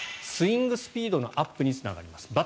スイングスピードのアップにつながります。